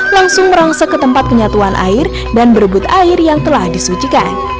langsung merangsak ke tempat penyatuan air dan berebut air yang telah disucikan